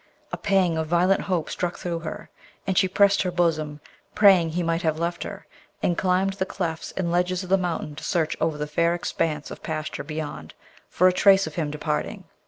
A pang of violent hope struck through her, and she pressed her bosom, praying he might have left her, and climbed the clefts and ledges of the mountain to search over the fair expanse of pasture beyond, for a trace of him departing.